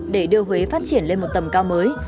để đưa huế phát triển lên một tầm cao mới